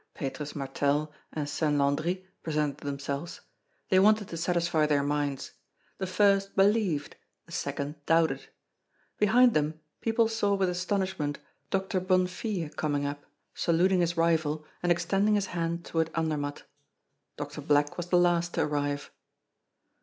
Petrus Martel and Saint Landri presented themselves. They wanted to satisfy their minds. The first believed; the second doubted. Behind them, people saw with astonishment Doctor Bonnefille coming up, saluting his rival, and extending his hand toward Andermatt. Doctor Black was the last to arrive.